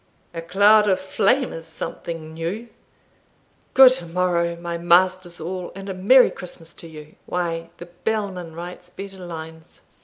"A cloud of flame is something new Good morrow, my masters all, and a merry Christmas to you! Why, the bellman writes better lines."